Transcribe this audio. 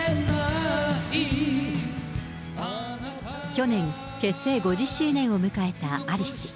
去年、結成５０周年を迎えたアリス。